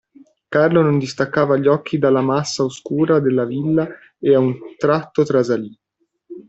Carlo non distaccava gli occhi dalla massa oscura della villa e a un tratto trasalì.